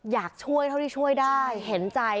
อยากช่วยเท่าที่ช่วยได้เห็นใจ